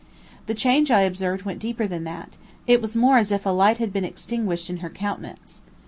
The change I observed went deeper than that; it was more as if a light had been extinguished in her countenance.